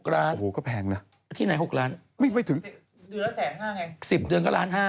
๖ล้านโอ้โหก็แพงนะที่ไหน๖ล้านไม่ถึง๑๐เดือนก็๑๕๐๐บาทไง